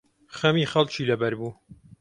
خەمی خەڵکی لەبەر بوو